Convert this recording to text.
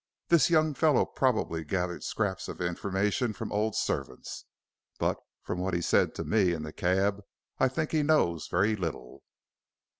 This young fellow probably gathered scraps of information from old servants, but from what he said to me in the cab, I think he knows very little."